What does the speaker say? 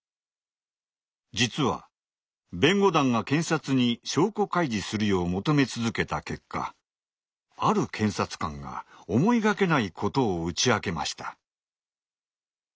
実は弁護団が検察に証拠開示するよう求め続けた結果ある検察官が思いがけないことを打ち明けました。